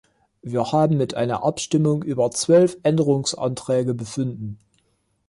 Wir haben mit einer Abstimmung über zwölf Änderungsanträge befunden.